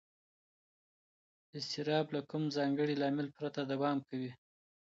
اضطراب له کوم ځانګړي لامل پرته دوام کوي.